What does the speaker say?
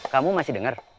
kamu masih denger